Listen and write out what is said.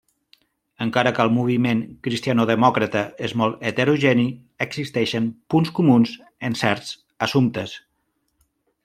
Encara que el moviment cristianodemòcrata és molt heterogeni, existeixen punts comuns en certs assumptes.